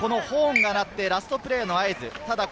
リアスいきます、ホーンが鳴って、ラストプレーの合図。